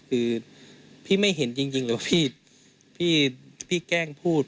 คือพี่ไม่เห็นจริงหรอกพี่แกล้งพูด